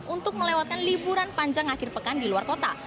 untuk melewatkan liburan panjang akhir pekan di luar kota